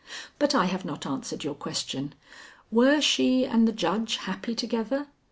But I have not answered your question. Were she and the judge happy together?